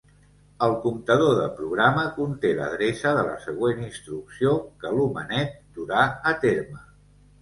El comptador de programa conté l'adreça de la següent instrucció que l'homenet durà a terme.